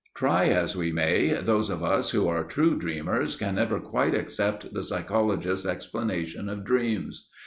Try as we may, those of us who are true dreamers can never quite accept the psychologist's explanation of dreams.